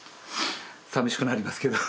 寂しくなりますけど。